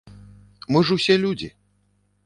Мы ж усе людзі.